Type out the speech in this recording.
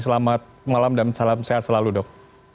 selamat malam dan salam sehat selalu dok